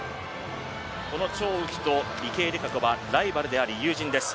この張雨霏と池江璃花子はライバルであり友人です。